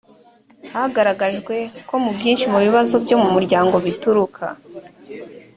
hagaragajwe ko byinshi mu bibazo byo mu muryango bituruka